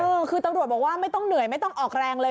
เออคือตำรวจบอกว่าไม่ต้องเหนื่อยไม่ต้องออกแรงเลย